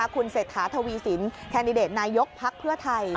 คุณเศรษฐาทวีสินแคนดิเดตนายกภักดิ์เพื่อไทย